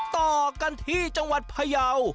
ต่อกันที่จังหวัดพยาว